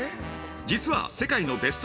実は世界のベスト